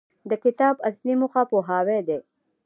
د کتاب اصلي موخه پوهاوی دی.